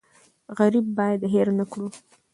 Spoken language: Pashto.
غریب باید هېر نکړو.